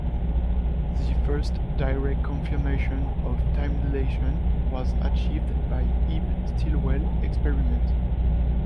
The first "direct" confirmation of time dilation was achieved by the Ives-Stilwell experiment.